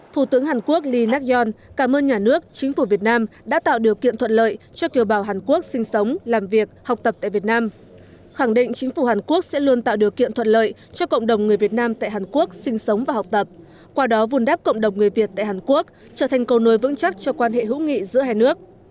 thủ tướng hàn quốc lee nak yong cảm ơn nhà nước chính phủ việt nam đã tạo điều kiện thuận lợi cho kiều bào hàn quốc sinh sống làm việc học tập tại việt nam khẳng định chính phủ hàn quốc sẽ luôn tạo điều kiện thuận lợi cho cộng đồng người việt nam tại hàn quốc sinh sống và học tập qua đó vùn đáp cộng đồng người việt tại hàn quốc trở thành cầu nối vững chắc cho quan hệ hữu nghị giữa hai nước